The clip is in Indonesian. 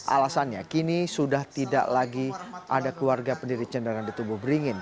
alasannya kini sudah tidak lagi ada keluarga pendiri cendaran di tubuh beringin